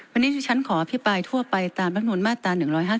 วันนี้ที่ฉันขออภิปรายทั่วไปตามรัฐมนุนมาตรา๑๕๗